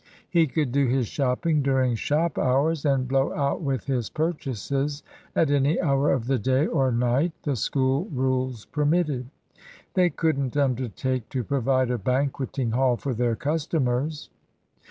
He could do his shopping during shop hours, and `blow out' with his purchases at any hour of the day or night the School rules permitted. They couldn't undertake to provide a banqueting hall for their customers."